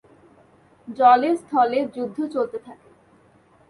জলে স্থলে যুদ্ধ চলতে থাকে।